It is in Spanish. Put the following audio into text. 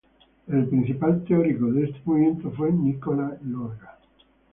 El principal teórico de este movimiento fue Nicolae Iorga.